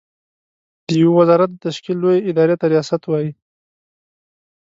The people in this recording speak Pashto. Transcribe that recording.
د يوه وزارت د تشکيل لويې ادارې ته ریاست وايې.